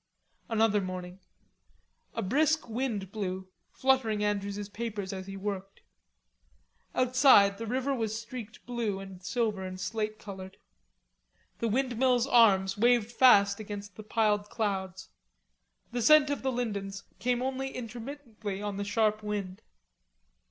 Another morning. A brisk wind blew, fluttering Andrews's papers as he worked. Outside the river was streaked blue and silver and slate colored. The windmill's arms waved fast against the piled clouds. The scent of the lindens came only intermittently on the sharp wind.